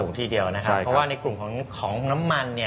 กลุ่มทีเดียวนะครับเพราะว่าในกลุ่มของน้ำมัน